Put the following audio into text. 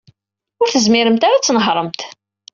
Ur tezmiremt ara ad tnehṛemt.